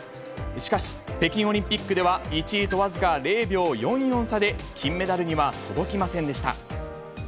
しかし、北京オリンピックでは１位と僅か０秒４４差で金メダルには届きませんでした。